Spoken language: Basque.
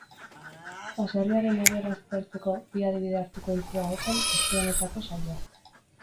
Baserriaren egoera aztertzeko, bi adibide hartuko ditu ahotan aste honetako saioak.